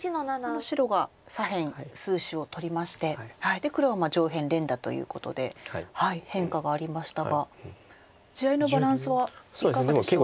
これも白が左辺数子を取りまして黒は上辺連打ということで変化がありましたが地合いのバランスはいかがでしょうか？